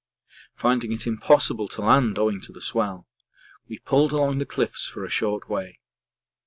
Finding it impossible to land owing to the swell, we pulled along the cliffs for a short way.